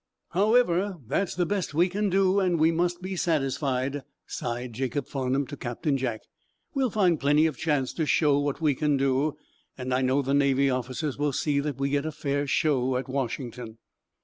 "However, that's the best we can do, and we must be satisfied," sighed Jacob Farnum to Captain Jack. "We'll find plenty of chance to show what we can do, and I know the Navy officers will see that we get a fair show at Washington."